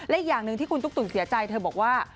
และอีกอย่างหนึ่งที่คุณตุ๊กตุ๋นเสียใจเธอบอกว่า